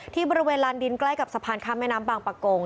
ที่บริเวณลานดินใกล้กับสะพานข้ามแม่น้ำบางประกง